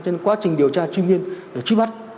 cho nên quá trình điều tra truy nguyên để truy bắt